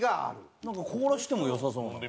なんか凍らせてもよさそうな。